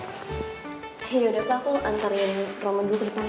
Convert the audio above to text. yaudah pa aku antarin roman dulu ke depannya